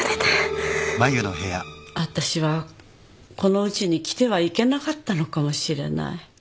私はこのうちに来てはいけなかったのかもしれない。